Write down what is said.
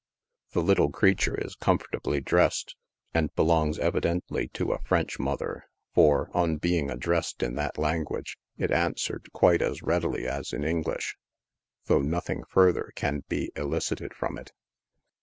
The little creature is comfortably dressed, and belongs, evidently, to a French mother, for, on being addressed in that lan guage, it answered quite as readily as in English, though nothing further can be elicited from it.